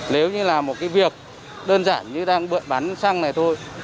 nếu như là một cái việc đơn giản như đang bận bắn xăng này thôi